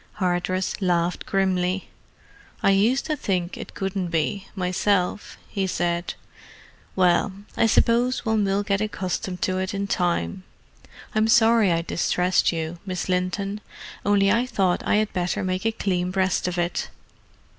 Hardress laughed grimly. "I used to think it couldn't be, myself," he said. "Well, I suppose one will get accustomed to it in time. I'm sorry I distressed you, Miss Linton—only I thought I had better make a clean breast of it."